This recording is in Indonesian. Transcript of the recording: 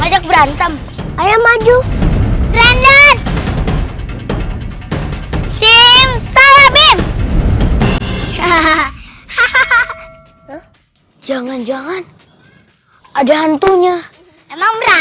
banyak berantem ayah maju brandon simsalabim hahaha hahaha jangan jangan ada hantunya emang